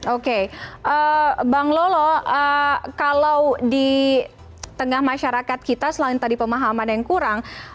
oke bang lolo kalau di tengah masyarakat kita selain tadi pemahaman yang kurang